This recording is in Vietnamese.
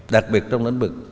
đặc biệt trong lĩnh vực